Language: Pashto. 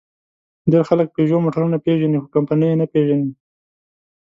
ډېر خلک پيژو موټرونه پېژني؛ خو کمپنۍ یې نه پېژني.